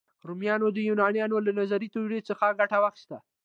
رومیانو د یونانیانو له نظري تیوري څخه ګټه واخیسته.